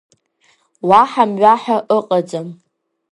Уаҳа мҩа ҳәа ыҟаӡам.